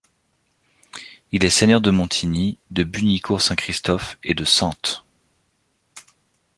Il est seigneur de Montigny, de Bugnicourt Saint-Christophe et de Santes.